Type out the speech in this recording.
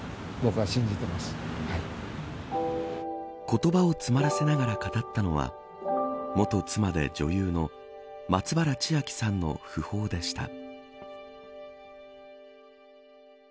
言葉を詰まらせながら語ったのは元妻で女優の松原千明さんの訃報でした。